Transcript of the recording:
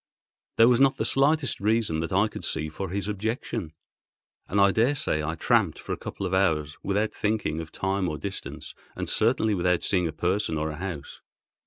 There was not the slightest reason, that I could see, for his objection; and I daresay I tramped for a couple of hours without thinking of time or distance, and certainly without seeing a person or a house.